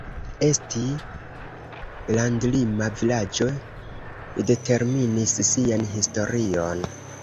Esti landlima vilaĝo determinis sian historion.